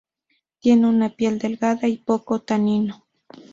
Tiene una piel delgada y poco tanino.